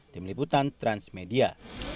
tim liputan transmedia